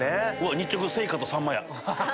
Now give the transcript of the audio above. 日直せいかとさんまや。